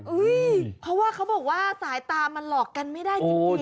เพราะว่าเขาบอกว่าสายตามันหลอกกันไม่ได้จริง